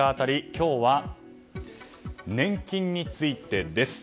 今日は年金についてです。